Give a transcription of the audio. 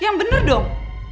yang bener dong